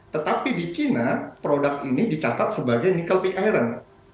tetapi di china produk ini dicatat sebagai nikel pick iron